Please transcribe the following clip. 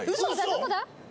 どこだ？